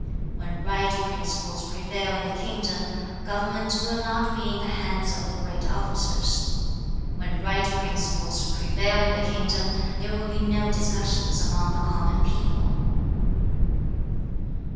2. 'When right principles prevail in the kingdom, government will not be in the hands of the Great officers. 3. 'When right principles prevail in the kingdom, there will be no discussions among the common people.'